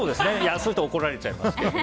そうすると怒られちゃいますけど。